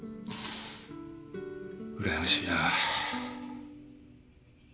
うらやましいな。